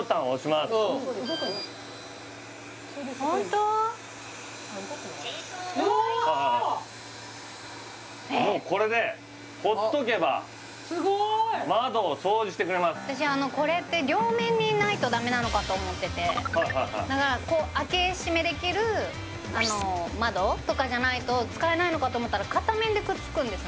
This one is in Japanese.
えっもうこれですごい私あのこれって両面にないとダメなのかと思っててはいはいはいだからこう開け閉めできるあの窓とかじゃないと使えないのかと思ったら片面でくっつくんですね